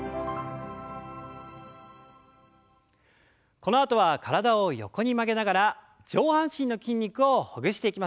このあとは体を横に曲げながら上半身の筋肉をほぐしていきましょう。